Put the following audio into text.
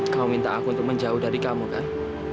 kau minta aku untuk menjauh dari kamu kan